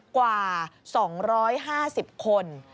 กว่า๒๕๐คน